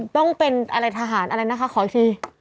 ต้องเป็นอะไรทหารอะไรนะคะขออีกที